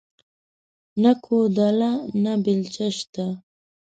نه کوداله نه بيلچه شته